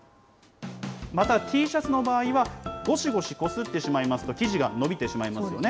また、Ｔシャツの場合は、ごしごしこすってしまいますと、生地が伸びてしまいますよね。